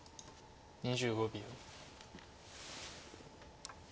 ２５秒。